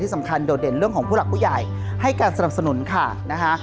สำคัญโดดเด่นเรื่องของผู้หลักผู้ใหญ่ให้การสนับสนุนค่ะนะคะ